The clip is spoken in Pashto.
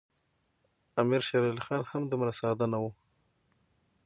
امیر شېر علي خان هم دومره ساده نه وو.